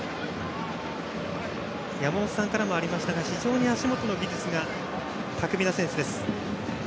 山本さんからもありましたが非常に足元の技術が巧みな選手です。